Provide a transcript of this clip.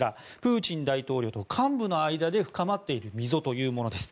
プーチン大統領と幹部の間で深まっている溝というものです。